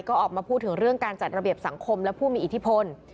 ก็ออกมาพูดถึงเรื่องการจัดระเบียบสังคมและผู้มีอิทธิพล